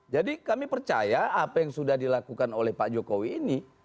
jadi kami percaya apa yang sudah dilakukan oleh pak jokowi ini